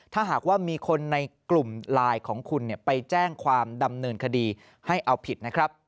ถ้าหากว่ามีคนในกลุ่มไลน์ของคุณไปแจ้งความดำเนินคดีให้เอาผิดนะครับ